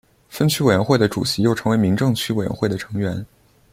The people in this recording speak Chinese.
分区委员会的主席又成为民政区委员会的成员。